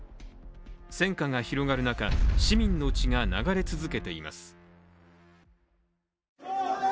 戦火が広がる中、市民の血が流れ続けています。